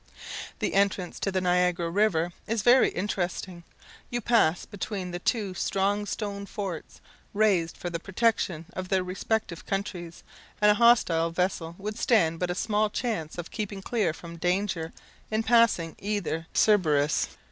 The entrance to the Niagara river is very interesting. You pass between the two strong stone forts, raised for the protection of their respective countries; and a hostile vessel would stand but a small chance of keeping clear from danger in passing either Cerberus.